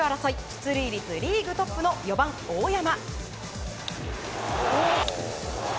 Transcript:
出塁率リーグトップの４番、大山。